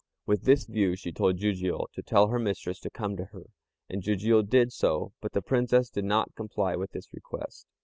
With this view she told Jijiu to tell her mistress to come to her, and Jijiu did so; but the Princess did not comply with this request.